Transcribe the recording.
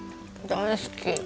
大好き。